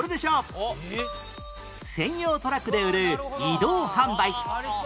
専用トラックで売る移動販売